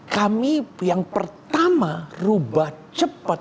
kami yang pertama rubah cepat